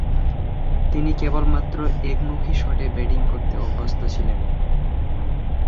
তিনি কেবলমাত্র একমুখী শটে ব্যাটিং করতে অভ্যস্ত ছিলেন।